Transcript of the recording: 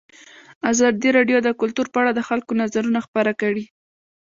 ازادي راډیو د کلتور په اړه د خلکو نظرونه خپاره کړي.